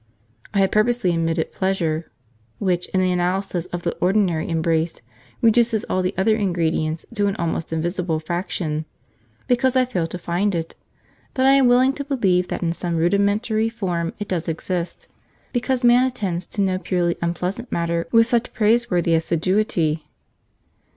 I have purposely omitted pleasure (which, in the analysis of the ordinary embrace, reduces all the other ingredients to an almost invisible faction), because I fail to find it; but I am willing to believe that in some rudimentary form it does exist, because man attends to no purely unpleasant matter with such praiseworthy assiduity.